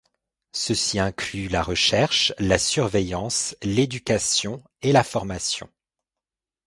Ceci inclut la recherche, la surveillance, l'éducation et la formation.